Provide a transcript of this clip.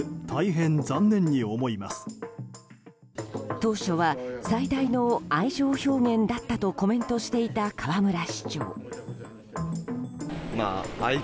当初は最大の愛情表現だったとコメントしていた河村市長。